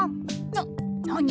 ななに？